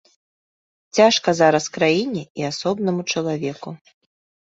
Цяжка зараз краіне і асобнаму чалавеку.